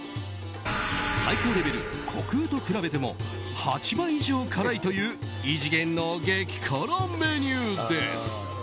最高レベル虚空と比べても８倍以上辛いという異次元の激辛メニューです。